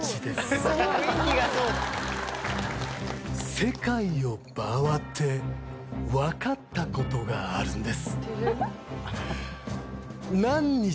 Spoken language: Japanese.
世界を回って分かったことがあるんです。